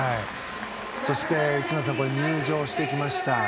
そして内村さん入場してきました。